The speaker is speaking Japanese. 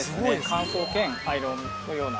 乾燥兼アイロンのような。